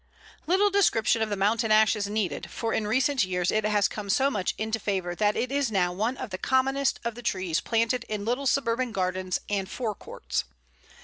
Little description of the Mountain Ash is needed, for in recent years it has come so much into favour that it is now one of the commonest of the trees planted in little suburban gardens and fore courts.